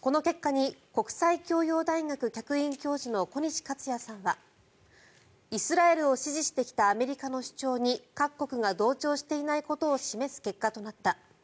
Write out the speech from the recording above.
この結果に国際教養大学客員教授の小西克哉さんはイスラエルを支持してきたアメリカの主張に各国が同調していないことを示す結果となった。